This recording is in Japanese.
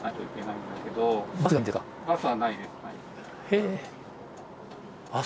えっ。